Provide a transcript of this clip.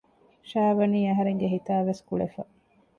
ޝާވަނީ އަހަރެންގެ ހިތާއިވެސް ކުޅެފަ